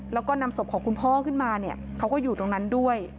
แล้วก็นำศพของคุณพ่อขึ้นมาเนี่ยเขาก็อยู่ตรงนั้นด้วย